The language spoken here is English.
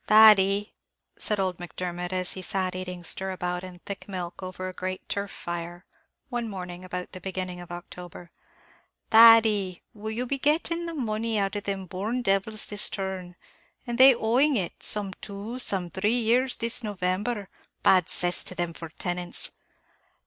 "Thady," said old Macdermot, as he sat eating stirabout and thick milk, over a great turf fire, one morning about the beginning of October, "Thady, will you be getting the money out of them born divils this turn, and they owing it, some two, some three years this November, bad cess to them for tenants?